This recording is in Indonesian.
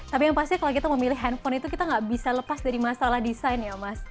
tapi yang pasti kalau kita memilih handphone itu kita nggak bisa lepas dari masalah desain ya mas